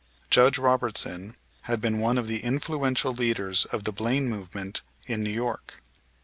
Judge Robertson had been one of the influential leaders of the Blaine movement in New York.